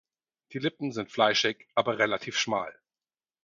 Die Lippen sind fleischig aber relativ schmal.